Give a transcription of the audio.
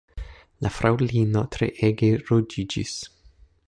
La fraŭlino treege ruĝiĝis.